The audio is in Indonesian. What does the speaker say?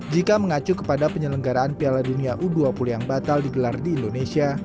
jika mengacu kepada penyelenggaraan piala dunia u dua puluh yang batal digelar di indonesia